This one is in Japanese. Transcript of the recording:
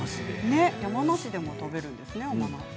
山梨でもそうなんですね。